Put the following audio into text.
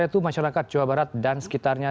itu masyarakat jawa barat dan sekitarnya